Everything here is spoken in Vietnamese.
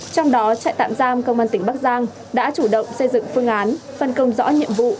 trong đó trại tạm giam công an tỉnh bắc giang đã chủ động xây dựng phương án phân công rõ nhiệm vụ